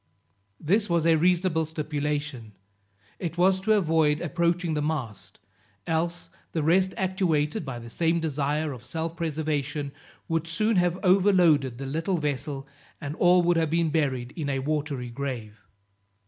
This was a reasonable stipulation; it was to avoid approaching the mast, else, the rest actuated by the same desire of self preservation, would soon have overloaded the little vessel, and all would have been buried in a watery grave.